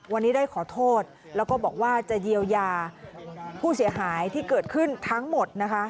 วันนี้ได้ขอโทษแล้วก็บอกว่าจะเยียวยาผู้เสียหายที่เกิดขึ้นทั้งหมดนะคะ